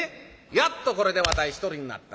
「やっとこれでわたい１人になった。